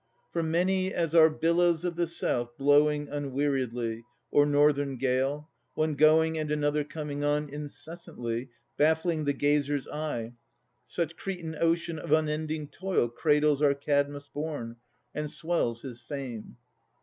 For many as are billows of the South II 1 Blowing unweariedly, or Northern gale, One going and another coming on Incessantly, baffling the gazer's eye, Such Cretan ocean of unending toil Cradles our Cadmus born, and swells his fame.